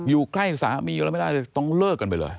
อยู่ใกล้สามีอยู่แล้วไม่ได้เลยต้องเลิกกันไปเลย